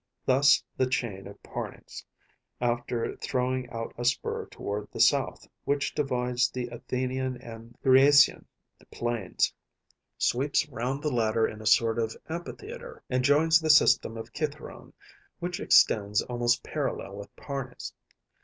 Thus the chain of Parnes, after throwing out a spur toward the south, which divides the Athenian and the Thriasian plains, sweeps round the latter in a sort of amphitheatre, and joins the system of Cithæron (Kitheron), which extends almost parallel with Parnes.